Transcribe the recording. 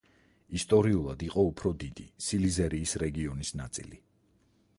ისტორიულად იყო უფრო დიდი სილეზიის რეგიონის ნაწილი.